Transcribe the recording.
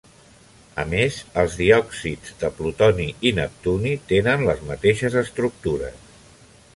A més els diòxids de plutoni i neptuni tenen les mateixes estructures.